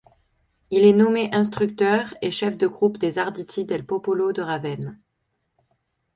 Il est nommé instructeur et chef de groupe des Arditi del Popolo de Ravenne.